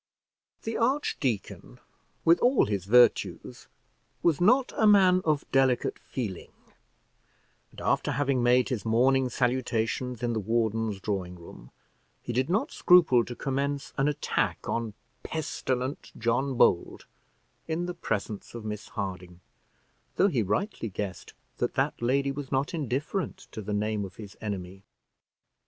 The archdeacon, with all his virtues, was not a man of delicate feeling; and after having made his morning salutations in the warden's drawing room, he did not scruple to commence an attack on "pestilent" John Bold in the presence of Miss Harding, though he rightly guessed that that lady was not indifferent to the name of his enemy.